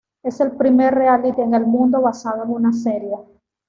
Es el primer reality en el mundo basado en una serie.